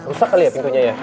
rusak kali ya pintunya ya